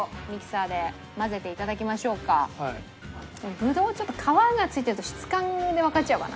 ぶどうちょっと皮がついてると質感でわかっちゃうかな？